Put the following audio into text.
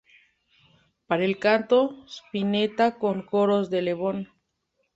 Para el canto, Spinetta con coros de Lebón.